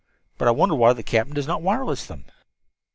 But I wonder why the captain does not wireless them?"